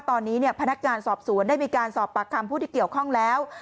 ตอนนี้พนักงานสอบสวนได้มีการสอบปากคำผู้ที่เกี่ยวข้องแล้ว